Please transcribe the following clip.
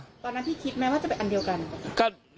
ตอนนั้นพี่คิดไหมว่าจะเป็นอันเดียวกัน